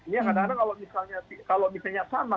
ya kadang kadang kalau misalnya sama